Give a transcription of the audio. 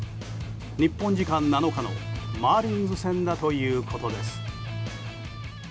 日本時間７日のマーリンズ戦だということです。